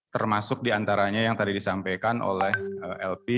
termasuk diantaranya yang tadi disampaikan oleh lp